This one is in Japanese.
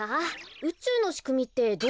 うちゅうのしくみってどうなってるんでしょうか？